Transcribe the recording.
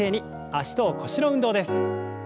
脚と腰の運動です。